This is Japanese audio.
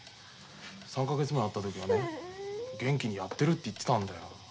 ３か月前会った時はね「元気にやってる」って言ってたんだよ。